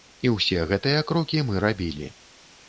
І ўсе гэтыя крокі мы рабілі.